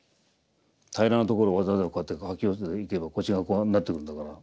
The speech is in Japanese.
平らなところをわざわざこうやって掃き寄せていけばこっちがこうなってくるんだから。